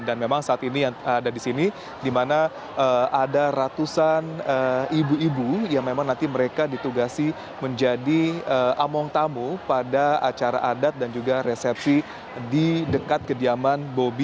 dan memang saat ini yang ada di sini dimana ada ratusan ibu ibu yang memang nanti mereka ditugasi menjadi among tamu pada acara adat dan juga resepsi di dekat kediaman bobi